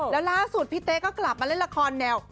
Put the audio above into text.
แล้วล่าสุดพี่เต๊ก็กลับมาเล่นละครแนว